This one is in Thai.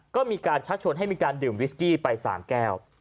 ก็มีการชักชวนให้มีการดื่มวิสกี้ไป๓แก้ว